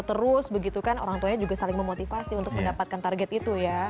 terus begitu kan orang tuanya juga saling memotivasi untuk mendapatkan target itu ya